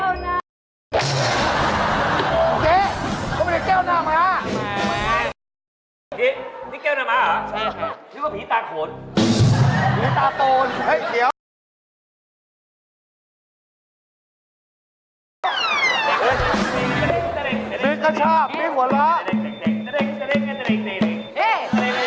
มิกก็ชอบมิกหวนแล้ว